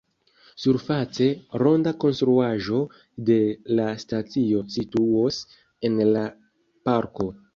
Surface, ronda konstruaĵo de la stacio situos en la parko.